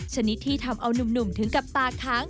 ชนิดที่ทำเอานุ่มถึงกับตาค้าง